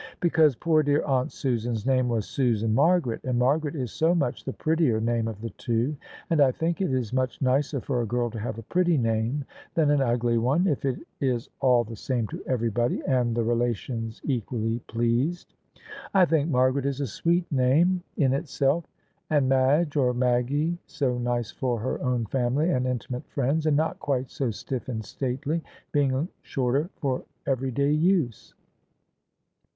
" Because poor dear aunt Susan's name was Susan Mar garet, and Margaret is so much the prettier name of the two, and I think it is much nicer for a girl to have a pretty name than an ugly one, if it is all the same to everybody and the relations equally pleased. I think Margaret is a sweet name in itself, and Madge or Maggie so nice for her own family and intimate friends, and not quite so sti£E and stately, being shorter for everyday use."